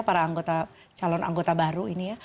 para anggota calon anggota baru ini ya